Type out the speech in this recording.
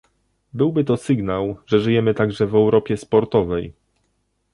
Byłby to sygnał, że żyjemy także w Europie sportowej